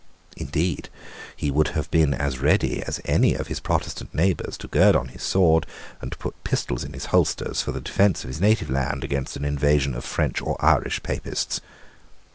Indeed he would have been as ready as any of his Protestant neighbours to gird on his sword, and to put pistols in his holsters, for the defence of his native land against an invasion of French or Irish Papists.